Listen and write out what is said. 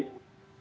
dalam rangka apa